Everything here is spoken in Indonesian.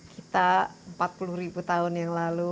kita empat puluh ribu tahun yang lalu